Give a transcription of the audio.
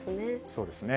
そうですね。